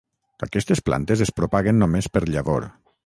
Aquestes plantes es propaguen només per llavor.